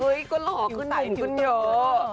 เฮ้ยก็หลอกขึ้นหนุ่มขึ้นเยอะ